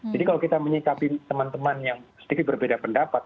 jadi kalau kita menyikapi teman teman yang sedikit berbeda pendapat